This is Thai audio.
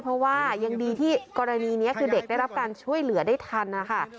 เพราะว่ายังดีที่กรณีนี้คือเด็กได้รับการช่วยเหลือได้ทันนะคะ